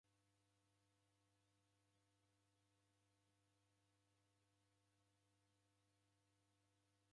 Ndewidimagha kuzighana w'asi ghwa w'andu na kughudukia msigo seji ifwane.